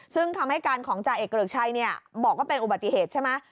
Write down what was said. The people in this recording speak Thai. ซึ่งคำให้การของจ่าเอกเกริกชัยบอกว่าเป็นอุบัติเหตุใช่ไหม